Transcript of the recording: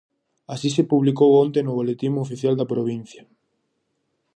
Así se publicou onte no boletín oficial da provincia.